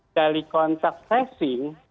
dari kontak testing